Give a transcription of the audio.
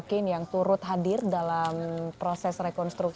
di mana terjadi keag ask bentuk